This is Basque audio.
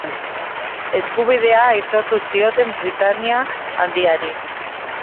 Eskubidea aitortu zioten Britainia Handiari.